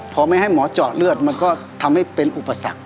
พอไม่ให้หมอเจาะเลือดมันก็ทำให้เป็นอุปสรรค